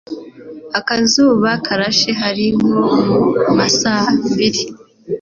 akazuba karashe hari nko mu ma saa mbiri